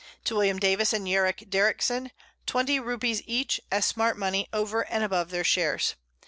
To_ William Davis and Yerrick Derrickson _20 Rupees each, as smart Money, over and above their Shares.